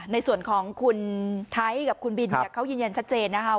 ในส่วนของคุณไทท์กับคุณบิลเขายินชัดเจนนะครับ